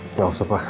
enggak usah pak